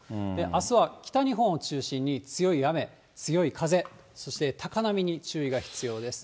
あすは北日本を中心に強い雨、強い風、そして高波に注意が必要です。